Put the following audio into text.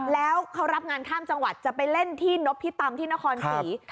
แล้วเขารับงานข้ามจังหวัดจะไปเล่นที่นพิตำที่นครศรี